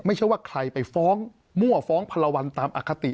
ไม่ใช่ว่าใครไปฟ้องมั่วฟ้องพันละวันตามอคติ